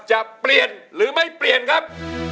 จะเปลี่ยนหรือไม่เปลี่ยนครับ